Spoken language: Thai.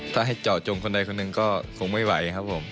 ถ้าให้เจาะจงคนใดคนหนึ่งก็คงไม่ไหวครับผม